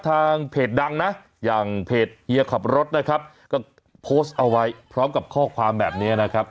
ทางเพจดังนะอย่างเพจเฮียขับรถนะครับก็โพสต์เอาไว้พร้อมกับข้อความแบบนี้นะครับ